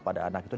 pada anak itu